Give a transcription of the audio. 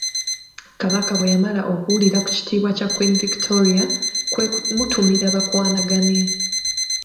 Kabaka bwe yamala okuwulira ku kitiibwa kya Queen Victoria, kwe kumutumira bakwanagane.